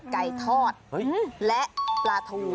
ไก่ทอดและปลาทู